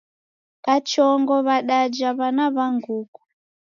Kachongo w'adaja w'ana wa nguku